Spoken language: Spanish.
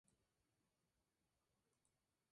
Ejemplos de Artistas